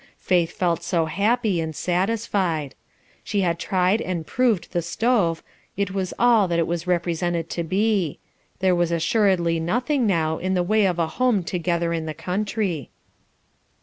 Faith felt so happy and satisfied; she had tried and proved the stove, it was all that it was represented to be; there was assuredly nothing, now, in the way of a home together in the country.